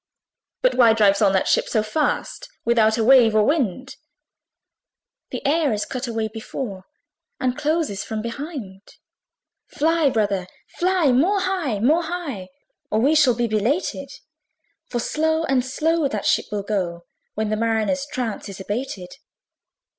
FIRST VOICE. But why drives on that ship so fast, Without or wave or wind? SECOND VOICE. The air is cut away before, And closes from behind. Fly, brother, fly! more high, more high Or we shall be belated: For slow and slow that ship will go, When the Mariner's trance is abated.